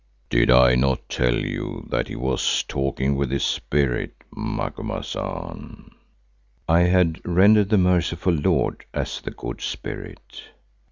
"Did I not tell you that he was talking with his Spirit, Macumazahn?" (I had rendered "the merciful Lord" as the Good Spirit.)